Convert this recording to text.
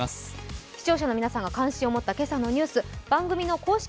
視聴者の皆さんが関心を持った今朝のニュース番組の公式